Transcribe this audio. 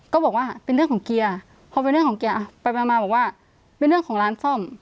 ก็บอกว่าเป็นเรื่องของเกียร์พอเป็นเรื่องของเกียร์อ่ะไปมาบอกว่าเป็นเรื่องของร้านซ่อม